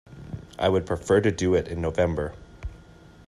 I would prefer to do it in November.